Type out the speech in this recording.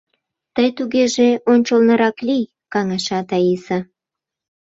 — Тый тугеже ончылнырак лий, — каҥаша Таиса.